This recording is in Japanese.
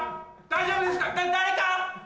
大丈夫ですか？